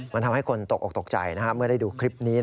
มันทำให้คนตกออกตกใจเมื่อได้ดูคลิปนี้